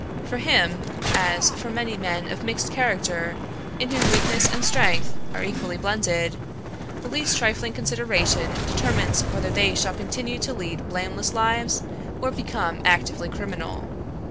For him, as for many men of mixed character in whom weakness and strength are equally blended, the least trifling consideration determines whether they shall continue to lead blameless lives or become actively criminal.